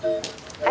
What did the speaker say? はい。